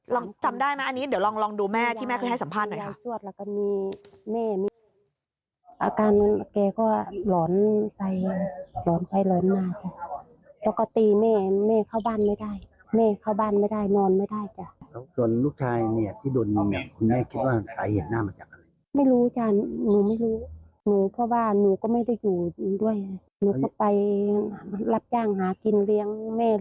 จำได้ไหมอันนี้เดี๋ยวลองดูแม่ที่แม่เคยให้สัมภาษณ์หน่อย